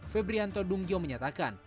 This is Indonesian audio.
febrianto dungio menyatakan